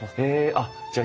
あっじゃあ